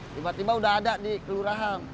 tiba tiba udah ada di kelurahan